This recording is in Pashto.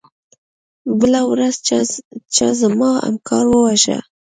بله ورځ چا زما همکار وواژه.